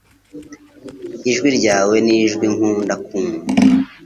Ijwi ryawe nijwi nkunda kumva